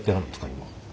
今。